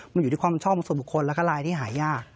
มันอยู่ที่ความช่องส่วนบุคคลแล้วก็ลายที่หายาก